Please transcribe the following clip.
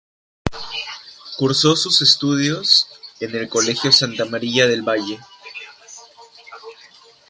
Cursó sus estudios en el Colegio Santa María del Valle.